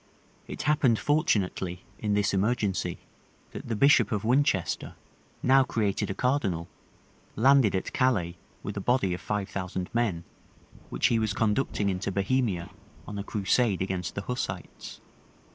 [*] It happened fortunately, in this emergency, that the bishop of Winchester, now created a cardinal, landed at Calais with a body of five thousand men, which he was conducting into Bohemia, on a crusade against the Hussites.